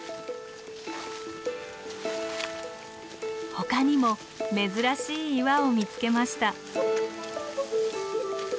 ほかにも珍しい岩を見つけました。